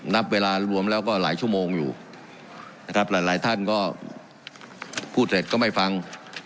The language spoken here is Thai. นับเวลารวมแล้วก็หลายชั่วโมงอยู่นะครับหลายหลายท่านก็พูดเสร็จก็ไม่ฟัง